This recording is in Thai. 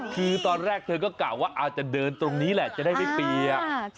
คือตอนแรกเธอก็กล่าวว่าอาจจะเดินตรงนี้แหละจะได้ไม่เปียก